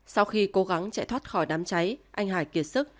sau khi cố gắng chạy thoát khỏi đám cháy anh hải kiệt sức